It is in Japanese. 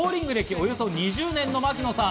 およそ２０年の槙野さん。